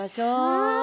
はい。